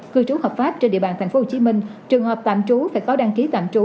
cư trú hợp pháp trên địa bàn tp hcm trường hợp tạm trú phải có đăng ký tạm trú